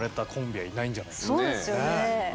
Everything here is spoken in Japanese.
そうですよね。